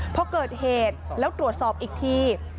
พอเกิดเหตุแล้วตรวจสอบอีกที